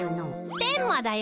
テンマだよ。